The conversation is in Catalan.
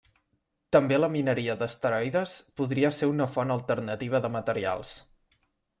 També la mineria d'asteroides podria ser una font alternativa de materials.